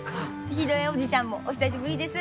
ヒデオ叔父ちゃんもお久しぶりです。